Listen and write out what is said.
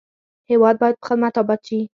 هېواد باید په خدمت اباد شي.